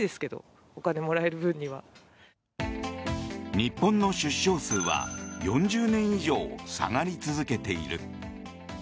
日本の出生数は４０年以上下がり続けている。